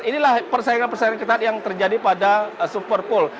inilah persaingan persaingan ketat yang terjadi pada superpole